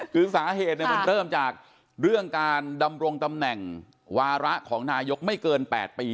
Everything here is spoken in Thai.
คือสาเหตุมันเริ่มจากเรื่องการดำรงตำแหน่งวาระของนายกไม่เกิน๘ปี